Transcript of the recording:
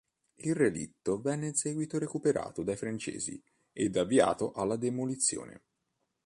Il relitto venne in seguito recuperato dai francesi ed avviato alla demolizione.